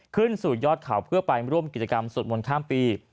ขึ้นสู่ยอดเขาเพื่อไปร่วมกิจกรรมสวดมนต์ข้ามปี